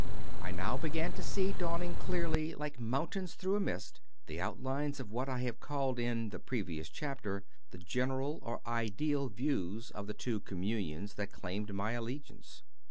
I now began to see dawning clearly, like mountains through a mist, the outlines of what I have called in the previous chapter the general or ideal views of the two Communions that claimed my allegiance.